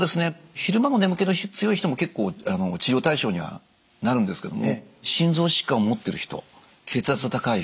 昼間も眠気の強い人も結構治療対象にはなるんですけども心臓疾患を持っている人血圧が高い人